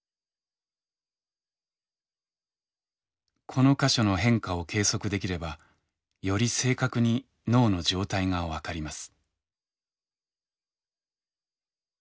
この箇所の変化を計測できればより正確に脳の状態が分かります。